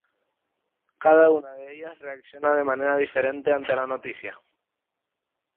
Cada una de ellas reacciona de manera diferente ante la noticia.